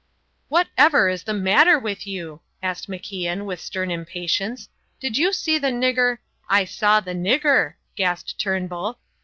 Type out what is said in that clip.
"What ever is the matter with you?" asked MacIan, with stern impatience. "Did you see the nigger " "I saw the nigger," gasped Turnbull.